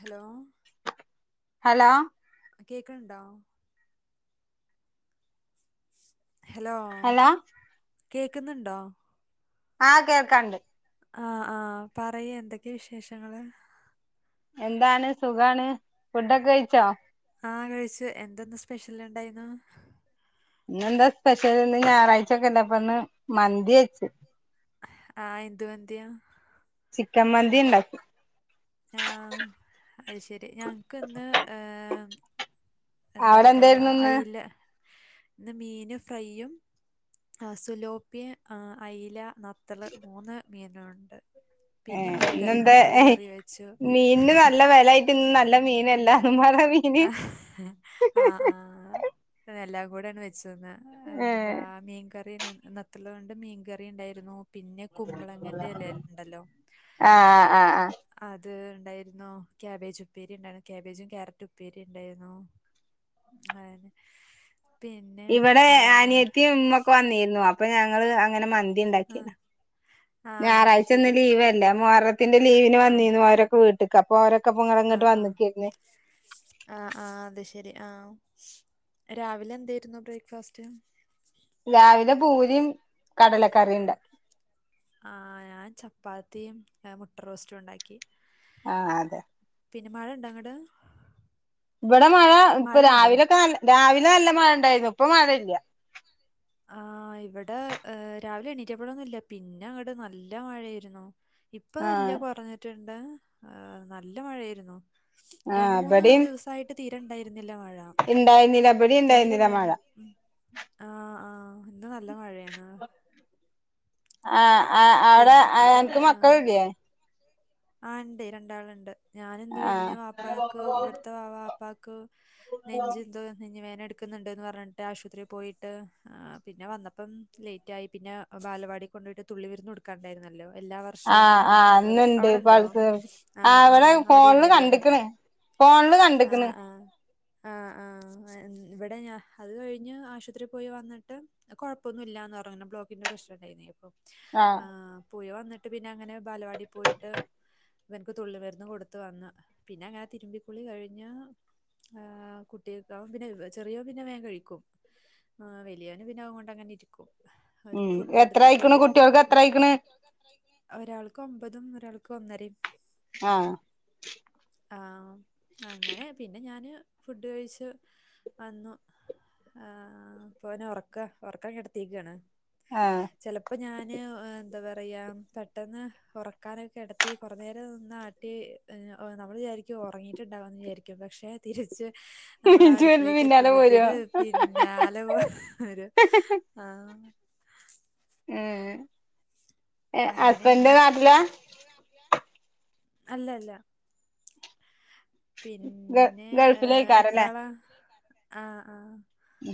Hello hello കേക്കണുണ്ടോ hello കേക്കുന്നുണ്ടോ ആ കേൾക്കണ്ട് ആ ആ പറയ എന്തൊക്കെയ വിശേഷങ്ങള് എന്താണ് സുഖാണ് ഫുഡൊക്കെ കഴിച്ചോ ആ കഴിച്ചു എന്തെന്ന സ്പെഷ്യല് ഇണ്ടായിന്ന ഇന്നെന്താ സ്പെഷ്യൽ ഇന്ന് ഞായറാഴ്ച ഒക്കെ അല്ലേ അപ്പന്ന് മന്തി വെച്ച ആഹ് എന്ത്തു വന്ന്ത്യ ചിക്കൻ മന്തി ഉണ്ടാക്കി ആ അത് ശരി ഞങ്ങക്ക് ഇന്ന് ഏ, എന്താ അവിടെ പറയ എന്തായിരുന്നു ഇന്ന് അയില്ല ഇന്ന് മീന് ഫ്രൈയും സുലോപ്പി ആ അയല നത്തല് മൂന്ന് മീനുകളുണ്ട് ഏ പിന്നെന്താ മീനിന് നല്ല വിലയായിട്ട് ഇ നല്ല മീനല്ല ആഹ് ആഹ് ആഹ് അതെല്ലാം കൂടൊണ് വെച്ച ന്ന എന്താ ഏഹ് മീൻകറി നത്തള്ളുണ്ട് മീൻകറി ഉണ്ടായിരുന്നു പിന്നെ കുമ്പളങ്ങന്റെ ഇലല്ല ഉണ്ടല്ലോ ആഹ് ആഹ് ആഹ് അത് ഉണ്ടായിരുന്നു കാബേജ് ഉപ്പേരി ഉണ്ടായിരുന്നു കാബേജും കാരറ്റും ഉപ്പേരി ഉണ്ടായിരുന്നു വേറെ ഇവിടെ അനിയത്തി ഇമ്മ ഒക്കെ വന്നിരുന്നു അപ്പൊ ഞങ്ങള് അങ്ങനെ മന്തി ആ [unintelligible] ആ അത് ഞായറാഴ്ച ഇന്ന് ശരി ലീവ് അല്ലേ മുഹ ത്തിന്റെ ലീവിന് ആ വന്നീന്ന് അവരൊക്കെ വീട്ടക്ക് അപ്പോ അവര ക്ക പ്പഇങ്ങനെ ആ ഇങ്ങട്ട് ആ വന്നിക്കന്ന് രി ആഹ് രാവിലെ എന്താരുന്നു ബ്രേക്ക്ഫാസ്റ്റ് ലാവിലെ പൂരിയും കടലക്കറിയിണ്ട ആഹ് ഞാൻ ചപ്പാത്തിയും മുട്ടറോസ്റ്റും ഒണ്ടാക്കി ആഹ് അതെ പിന്നെ മഴ ഇണ്ടൊ അങ്ങട് ഇവിടെ മഴ ഇപ്പൊ രാവിലൊക്കെ നല്ല രാവിലെ നല്ല മഴ ണ്ടാരുന്നു ഇപ്പൊ മഴ ഇല്ല ആഹ് ഇവ്ടെ രാവിലെ എണീറ്റപ്പോഴൊന്നുല്ല പിന്നെ അങ്ങട് നല്ല മഴയാരുന്നു ഇപ്പൊ ആ ഇല്ല കൊറഞ്ഞിട്ടുണ്ട് ആ നല്ല മഴ ആരുന്നു ആ രണ്ട മൂന്ന് ഇബടിം ദിവസായിട്ട് തീരെണ്ടാ ഇല്ല മഴ ഇണ്ടായിരുന്നില്ല ഇബടിം ഇണ്ടായിരുന്നില്ല മഴ തീരെണ്ടായില്ല ആ ആ ഇന്ന് നല്ല മഴയാണ് ആഹ് ആ അവിടെ പിന്നെ അനക്ക് ആ മക്കൾഇല്ലേ ആ ണ്ട് രണ്ടാള്ണ്ട് ഞാന് എന്ത് ആ പിന്നെ വാപ്പാക്ക് ഇവ്ട്ത്തെ വാപ്പാക്ക് നെഞ്ചി എന്തോ നെഞ് വേദന എടു ട് ക്ക്ന്ന്ണ്ട് പറഞ്ഞിട്ട് ആശുപത്രി പോയിട്ട് പിന്നെ വന്നപ്പം ലേറ്റായി പിന്നെ ബാലവാടി കൊണ്ടൊയിട്ട് തുള്ളി മരുന്ന് കൊടുക്കണ്ടായിരുന്നല്ലോ എല്ലാ ആ വർഷോം ആ ഇന്നുണ്ട് അവിടെണ്ടോ പൾസ് ആ ഇവിടെ ആഹ് ഫോണില് അവിടെണ്ട്ലെ കണ്ട്ക്ക്ണ് ഫോണില് കണ്ടിക്ക്ണ് ആഹ് ആ ഇവിടെ ഞാൻ അത് കഴിഞ്ഞ് ആശുപത്രി പോയി വന്നിട്ട് കുഴപ്പമൊന്നുവില്ലന്ന് പറഞ് ബ്ലോക്കിന്റെ പ്രശ്നംണ്ടായിന്നെ അപ്പൊ ആഹ് പോയി വന്നിട്ട് പിന്നെ അങ്ങനെ ബാലവാടി പോയിട്ട് അവനക്ക് തുള്ളി മരുന്ന് കൊടുത്ത് വന്ന് പിന്നെ അങ്ങനെ തിരുമ്പിക്കുളി കഴിഞ് ആ കുട്ടികൾക്കാവും പിന്നെ ചെറിയോൻ പിന്നെ വേം കഴിക്കും ആ വലിയവൻ പിന്നെഅവ്കൊണ്ട് അങ്ങനെ ഇരിക്കും ഉം അവർക്ക് ഫുഡ് എത്ര കൊടുത്തിട്ട് ആയിക്കണ് കുട്ടികൾക്ക് എ ഒരാൾക്ക് ഒമ്പതും ഒരാൾക്ക് ഒന്നരേം ആഹ് ആഹ് അങ്ങനെ പിന്നെ ഞാന് ഫുഡ് കഴിച്ച് വന്നു ആഹ് അപ്പൊനെ ഒറക്ക ഒറക്കാൻ കിടത്തീക്കാണ് ആ ചെലപ്പോ ഞാന് എന്താ പറയാ പെട്ടെന്ന് ഒറക്കാനൊക്കെ കേടത്തി കൊറെ നേരം നിന്നാട്ടി നമ്മള് വിചാരിക്കും ഉറങ്ങിട്ടുണ്ടാവുന്ന് വിചാരിക്കും പഷേ തിരിച്ച് നമ്മള് ഇജ്ജ് വരുമ്പോ അടുക്കളേക്ക് പിന്നാലെ പോരോ എത്തുമ്പത്തേന് പിന്നാലെ വരും ആഹ് ഉം അങ്ങനെയാണ് ഹസ്ബന്റ് നാട്ടിലാ അല്ല അല്ല ഗ പിന്നെ ഏ എത്ര ഗൾഫിലേക്കാരല്ലേ ആളാ ആ ആ ഇ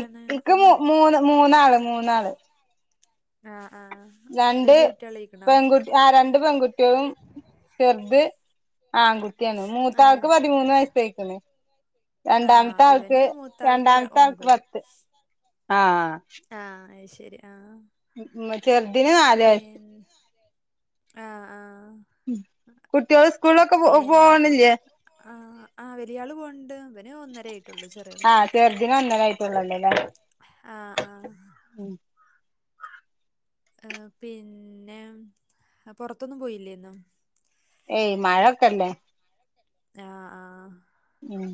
ഇക്ക് ക്ക് മൂന്ന് മൂന്നാള് മൂന്നാള് ആഹ് ആഹ് രണ്ട് വല്യ കുട്ടികളായിക്കണോ പെൺകുട്ടി ആ രണ്ട് പെൺകുട്ടികളും ചെറുത് ആൺകുട്ടിയാണ് ആഹ് മൂത്താൾക്ക് പതിമൂന്ന് വയസ് ആയിക്ക്ണ് ആഹ് ഇവന് മൂത്താൾക്ക് ര രണ്ടാമത്തെ ആൾക്ക് ഒമ്പത് പത്ത് ആഹ് ശെരി ആഹ് ഉം മറ്റേ അ പിന്നെ ആഹ് ആഹ് ഉം കുട്ടികള് സ്കൂളിലൊക്കെ പോ പോണില്ലേ ളിയാള് പോണ്ട് ഒന്നര ആയിട്ടുള്ളു ചെറി ആഹ് ചെറുതിന് ഒന്നര ആയിട്ടുള്ളൂല്ലേ [unintelligible] ആ ആ. ഉം ഏ പിന്നെ പുറത്തൊന്നും പോയില്ലേ ഇന്ന്? ഏയ് മഴക്കല്ലേ. ആ ആ. ഉം.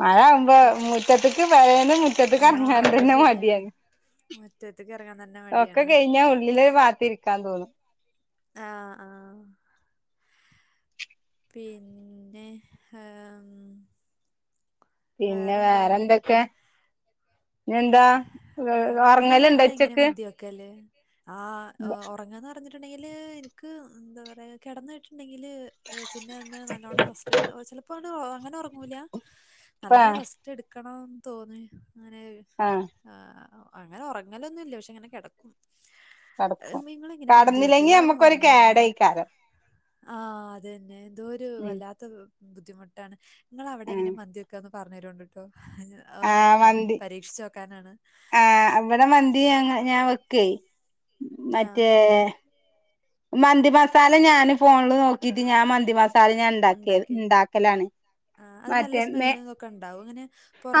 മഴ ആകുമ്പോ പി മുറ്റത്തക്ക് പേരെന്ന് മുറ്റത്തക്ക് ഇറങ്ങാൻ ആഹ് അത് തന്നെ ശരിയാണ് മടിയാണ്. മുറ്റത്ത്ക്ക് എറങ്ങാൻ തന്നെ ഒക്കെ മടിയാണ് കഴിഞ്ഞാ ഉള്ളിലൊരു ഭാഗത്തിരിക്കാൻ തോന്നും. ആ ആ. പിന്നെ പിന്നെ വേറെന്താ വേറെ എന്തൊക്കെ? എന്താ വേറെ ഉറങ്ങലുണ്ടോ നിങ്ങളവിടെ എങ്ങനെ ഉച്ചക്ക്? മന്തി വെക്കല് ആ ഉറങ്ങാന്ന് പറഞ്ഞിട്ടുണ്ടെങ്കില് എനിക്ക് എന്താ പറയാ കിടന്ന ണ്ടെങ്കിൽ പിന്നെ ഒന്ന് നല്ലവണ്ണം റസ്റ്റ് എടുക്കുക ചിലപ്പോണ് അങ്ങനെ ഉറങ്ങൂല. നല്ലോണം ആഹ് റെസ്റ്റ് എടുക്കണന്ന് തോന്നി അങ്ങനെ ആഹ് അങ്ങനെ ഉറങ്ങലൊന്നുല്ല പക്ഷെ ഇങ്ങനെ കിടക്കും. ഏഹ് കടക്കും നിങ്ങളെങ്ങനെ മന്തി കടന്നില്ലെങ്കി വെക്കലാന്ന് നമുക്കൊരു പറഞ്ഞന്നാ കേടായിക്കാരം. ആ അത് തന്നെ ഇതോ ഒരു ഉം വല്ലാത്ത ബുദ്ധിമുട്ടാണ് നിങ്ങള് അവിടെ ആഹ് എങ്ങനെ മന്തി വെക്കാന്ന് പറഞ്ഞു [unintelligible] പരീക്ഷി ആ ഇവിടെ മന്തി ഞാൻ വെക്കേ ആ മറ്റേ മന്തി മസാല ഞാന് ഫോണില് നോക്കീട്ട് ഞാൻ മന്തി മസാ സാല ഞാൻ മസാല ഉണ്ടാക്കിയ ഉണ്ടാക്കി ഉണ്ടാക്കലാണ്. ആ അത് നല്ല മറ്റേ സ്മെല്ലും ഇതൊക്കെ ഉണ്ടാവും അങ്ങനെ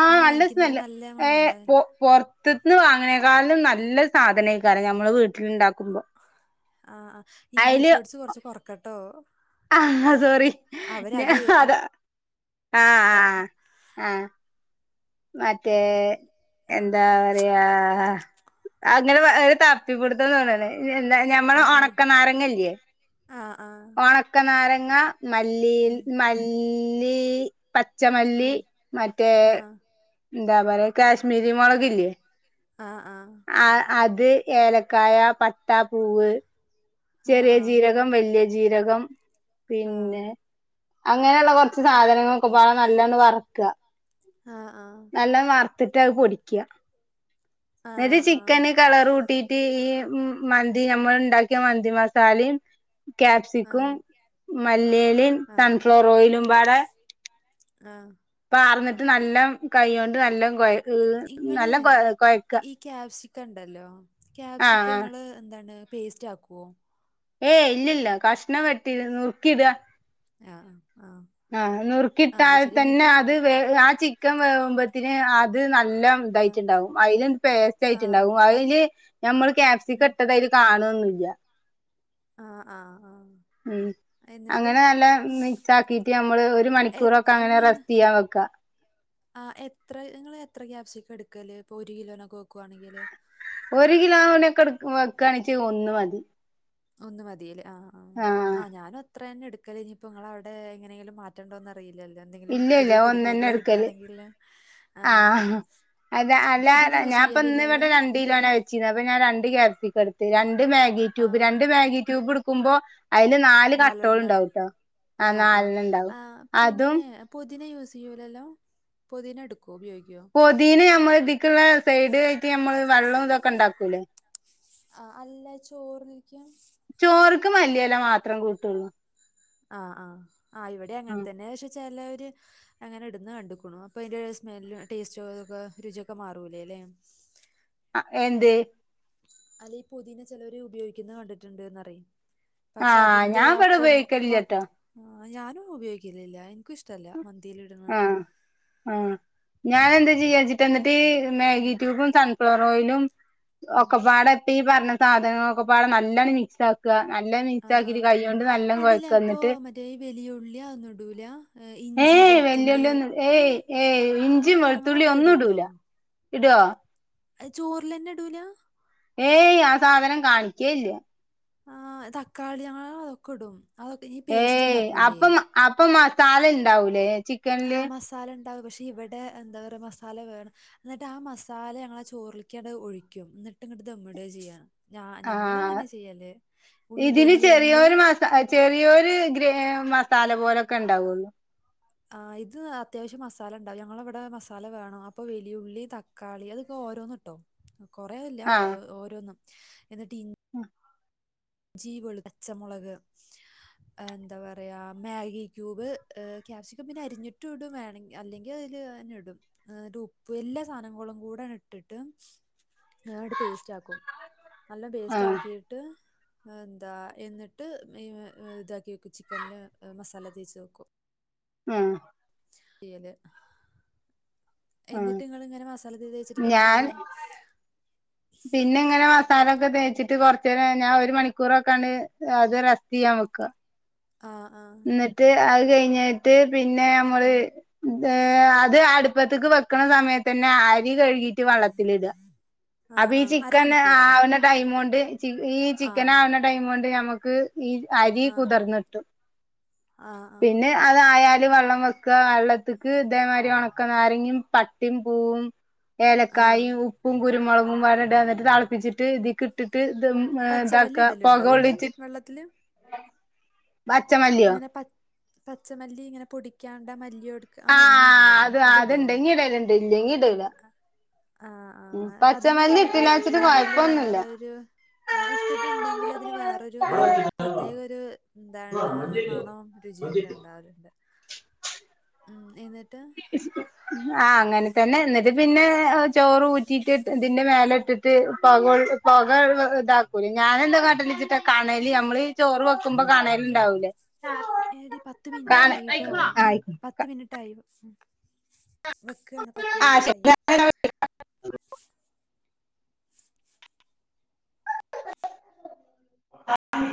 ആ വാങ്ങിക്കുന്നത് നല്ല [unintelligible] മണണ്ട പോറാത്തുന്ന് വാങ്ങിയേക്കളും നല്ല സാധനക്കാരം ഞമ്മള് വീട്ടിലുണ്ടാക്കുമ്പോ. ആ ആ അയില് ഇംഗ്ലീഷ് വേഡ്സ് കൊറച്ച് കൊറക്കട്ടോ. ആ സോറി ഞാ അവരത് അതാ ആഹ് ആഹ് ആഹ്. മറ്റേ ആ എന്താ പറയാ അങ്ങനെ ഒരു തപ്പിപിടിത്തം തോന്നണ്. എന്താ ഞമ്മള് ആ ആ ഞമ്മള് ഉണക്കനാരങ്ങല്ലേ ഉണക്കനാരങ്ങല്ലേ, ആ ആ ഒണക്കനാരങ്ങ മല്ലി ഉം മല്ലി ആ പച്ചമല്ലി പച്ചമല്ലി, മറ്റേ ആ എന്താ പറയ കാശ്മീരി മുളകില്ലേ? ആ ആ. ഇത് ഏലക്കായ പട്ടാപ്പൂവ് ചെറിയ ആ ആ ആ ജീരകം വലിയ ജീരകം ആ പിന്നെ അങ്ങനെയുള്ള കുറച്ച് സാധനങ്ങളൊക്കെ പാടെ നല്ലോണം ഒന്ന് വറുക്കാ. ആ ആ നല്ലോണം വർത്തിട്ട് അത് പൊടിക്കുക. ആ ആ എന്നിട്ട് ആ ചിക്കന് കളർ കൂട്ടിട്ട് ഈ മന്തി നമ്മൾ ഉണ്ടാക്കിയ മന്തി മസാലെം ആ ക്യാപ്സിക്കും മല്ലിയിലിം മല്ലിയിലെം സൺഫ്ലവർ ഓയിലും സൺഫ്ലർ ഓയിലും പാടെ പാടെ ആഹ് [unintelligible] നല്ല കൈ കൊണ്ട് നല്ല കൊ നല്ല കൊഴക്ക ക്ക ഇണ്ടല്ലോ ക്യാപ്സിക്കങ്ങള് എന്താണ് പേസ്റ്റ് ആക്കുവോ? ഏയ് ഇല്ലല്ല കഷ്ണം വെട്ടി നുറുക്കിട ആ. ആ നുറുക്കിട്ടാതെ തന്നെ എന്നിട്ട് അത് വേ ആ ചിക്കൻ വേവുമ്പോത്തിന് അത് നല്ല ആഹ് ഇതായിട്ടുണ്ടാവും അതിൽ പേസ്റ്റ് ആഹ് ആഹ് ആയിട്ടുണ്ടാവും അതില് ഞമ്മള് ക്യാപ്സിക്കം ഉം ഇട്ടത് അതില് കാണൊന്നില്ല. ആഹ് ആഹ് ആഹ് ഉം എന്നിട്ട് അങ്ങനെ നല്ല മിക്സ് ആക്കി നമ്മള് ഒരു എ മണിക്കൂറൊക്കെ അങ്ങനെ റസ്റ്റ് ചെയ്യാൻ വെക്കാ. ആഹ് എത്ര നിങ്ങള് എത്ര ക്യാപ്സിക്കം എടുക്കല് ഇപ്പൊ ഒരു കിലോനൊക്കെ വെക്കുവാണെങ്കില്? ഒരു കിലോനൊക്കെ വക്കണച്ച് ഒന്നു മതി. ഒന്ന് മതീല്ലെ? ആഹ് ഇത്ര തന്നെ എടുക്കല് ഇനിയിപ്പോ ഇങ്ങളെ അവിടെ എങ്ങനേങ്കിലും മാറ്റണ്ടോന്നറിയില്ലല്ലോ? എന്തെങ്കിലും ഇല്ല ഇല്ല പുതിയ ഒന്നന്നെ പൊടിക്കൈകള് എടുക്കല് കിട്ടാണങ്കിൽ ആ അത അല്ല പുതിന യൂസ് ഞാപ്പന്ന് ഇവിടെ ചെയ്യലില്ലല്ലോ രണ്ട് കിലോനാവച്ചിനെ അപ്പൊ ഞാൻ രണ്ട് ക [inaudible] രണ്ട് മാഗി ആ ട്യൂബ് രണ്ട് മാഗി ട്യൂബിടുക്കുമ്പൊ അയില് നാല് നാലെണ്ണ കട്ടോള്ണ്ടാവുട്ടോ ആ നാലെണ്ണണ്ടാവുട്ടോ അതും പൊതിന യൂസ് ചെയ്യൂലല്ലോ? പൊതിന എടു പൊതീന ഞമ്മള് ഇത്ക്കുള്ള സൈഡായിട്ട് ഞമ്മള് വള്ളോം ഇതൊക്കെണ്ടാക്കൂലേ? ആ അല്ല ചോറ് വെയ്ക്ക്യാ? ക്ക് മല്ലിഎല മാത്രം കൂട്ടുള്ളൂ. ആഹ് ആഹ് ആ ഇവിടെ അങ്ങനെ ആഹ് തന്നെ പക്ഷെ ചില അങ്ങനെ ഇടുന്ന കണ്ടുക്ക്ണു അപ്പൊ അതിന്റെ സ്മെല്ലും ടേസ്റ്റൊക്കെ രുചിയൊക്കെമാറുലെല്ലേ? ആ എന്തേ? അല്ല ഈ പൊതീന ചിലര് ഉപയോഗിക്കുന്നത് കണ്ടിട്ടുണ്ട്ന്നറി ആ ഞാൻ ഇവിടെ ഉപയോഗിക്കലില്ലട്ടോ. ആ ഞാനും ഉപയോഗിക്കലില്ല ഇൻക്കു ഷ്ടല്ല മന്തി ആ ആ ഞാൻ എന്താ ചെയ്യാച്ചിട്ട ഇന്നിട്ട് ഉം മാഗിക്യൂബും സൺഫ്ലവർ ഓയിലും ഉം ഒക്കപാടെ ഇപ്പ ഈ പറഞ്ഞ സാധനങ്ങളൊക്കെപ്പാടെ നല്ലോം മിക്സാക്ക്. നല്ല ആ മിക്സ് ആ ആക്കിട്ട് കൈകൊണ്ട് അതല്ല അപ്പൊ എന്നിട്ട് മറ്റേ ഈ വലിയ ഉള്ളി അതൊന്നും ഇടൂല? ഏഹ് ഏ ഇഞ്ചി വെളുത്തുള്ളി വല്ലുള്ളിഒന്നും ഏ ഏയ് ഏയ് ഇഞ്ചിം ഇന്ന് വെളുത്തുള്ളീം ഞങ്ങളവിടെ ഒന്നുടൂല. ഇടിയോ? ചോറിലെന്നെടൂല? ഏയ് ആ സാധനം കാണിക്കേ ഇല്ല. ആ തക്കാളിയോ ആ അതൊക്കെ ഇടും. അതൊക്കെ ഈ ഏ പേസ്റ്റ് ഉണ്ടാക്കൂലേ അപ്പം അപ്പ മസാലണ്ടാവൂലേ? ആ മസാലണ്ട് ഉണ്ടാവും പക്ഷേ ഇവിടെ എന്താ മസാല വേണം എന്നിട്ട് ആ മസാല ഞങ്ങളെ ചോറിലിക്കണ് ഒഴിക്കും. ഇന്നിട്ട് ഇങ്ങട് ധമ്മിടാ ചെയ്യല് ഞാ ആഹ് ഞങ്ങളങ്ങനാ ചെയ്യല്. ഉൾ ഇതിന് വലിയ ഉള്ളി ചെറിയൊരു മസാ ചെറിയൊരു ഗ്രേമാ തല പോലൊക്കെണ്ടാവുള്ളു. ആ ഇത് അത്യാവശ്യം മസാലണ്ടാവും ഞങ്ങളെ ഇവിടെ മസാല വേണം അപ്പൊ വലിയുള്ളി തക്കാളി അതൊക്കെ ഓരോന്ന്ട്ടോ കൊറേല്ല ആഹ് ഓരോ ഓരോന്നും. എന്തടി? ഞ്ചി വെളു പച്ചമുളക് എന്താ പറയാ മാഗി ക്യൂബ് ക്യാപ്സിക്കം പിന്നെ അരിഞ്ഞിട്ടും ഇടും വേണെങ്കിൽ അല്ലെങ്കിൽ അത് [inaudible] ഇടും ഉപ്പ് എല്ലാ സാധനങ്ങളുംകൂടങ്ങട്ടിട്ട്. [inaudible] പേസ്റ്റാക്കും നല്ലോം ആഹ് പേസ്റ്റാക്കീട് എന്താ എന്നിട്ട് മ് മ് ഇതാക്കി ചിക്കനില് മസാല തേച്ച് വെക്കും. ആഹ് ഏല് ആഹ് എന്നിട്ട്ങ്ങള് ഇങ്ങനെ മസാല ഒക്കെ തേച്ചിട്ട് ഞാൻ പിന്നെന്തായ്യാ? പിന്നെ ഇങ്ങനെ മസാലൊക്കെ തേച്ചിട്ട് കൊറച്ചേരം ഞാൻ ഒരു മണിക്കൂറൊക്കണ് അത് റസ്റ്റ് ചെയ്യാ നൗക ആ ആ അത് കഴിഞ്ഞിട്ട് പിന്നെ ഞമ്മള് ഉം. ഏ അത് അടുപ്പത്ത്ക്ക് വെക്ക്ണ സമയത്തന്നെ അരി കഴുകിട്ട് വള്ളത്തിലിട ആ അപ്പൊ ഈ ആ ചിക്കൻ അരമണിക്കൂറോ ആവ്ണ ടൈമു കൊണ്ട് ഈ ആ ചിക്കൻ ആവണ ടൈമു കൊണ്ട് ഞമ്മ നമ്മക്ക് ഈഅരി ആ കുതിർന്നട്ടും ആ പിന്നെ അത് ആയാ ല് വെള്ളം വെക്കുക വെള്ളത്തിക്ക് ഇതേമാതിരി ഉണക്ക നാരങ്ങും പട്ടയും പൂവും ആ ആ ഏലക്കായും, ഉപ്പും, കുരുമുളകും, വ ഇട വന്നിട്ട് തിളപ്പിച്ചിട്ട് ഇതി കിട്ടിട്ട്- പച്ചമല്ലി ഇതാക്ക പൊക ഇടലുണ്ടോ ഇതില് വെള്ളത്തില് പച്ചമല്ലിയോ ഇങ്ങനെ പ പച്ചമല്ലി ഇങ്ങനെ പൊടിക്കാണ്ട മല്ലി- എടുക്ക ആ മല്ലി ആഹ ഉണ്ടല്ലോ അത് അതിടുവോ അത്ണ്ട് ഇങ്ങീടെലണ്ട് ഇല്ല ഇങ്ങീടെല ആഹ! ആഹ! അതിന് അത് ഇട്ടിലാച്ചിട്ട് ഇട്ടിട്ടുണ്ടെങ്കില് വേറെരു- ആ ഇട്ടിട്ടുണ്ടെങ്കിൽ അതിന് വേറൊരു ഒരു പ്രത്യേക കൊഴപ്പൊന്നുല്ല ഒരു എന്താണ് മണം. ഉ ആഹ! അങ്ങനെ തന്നെ എന്നിട്ട- പിന്നെ ചോറ് ഊറ്റിയിട്ട് ഇതിന്റെ മേല ഇട്ടിട്ട് പക പക ഇതാക്കൂല ഞാൻെന്തോ കാണ്ടിച്ചിട്ടാ കണല് നമ്മള് ചോറ് വെക്കുമ്പോ കണലിണ്ടാവൂലേ എടി പത്ത മിനിറ്റായിട്ടോ ക പത്ത് മിനിട്ടായി ആ ആയി ശരി ആഹ!